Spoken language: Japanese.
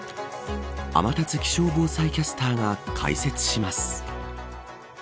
天達気象防災キャスターが解説します。